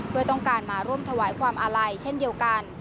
เพื่อต้องการมาร่วมถวายความอาลัยเช่นเดียวกัน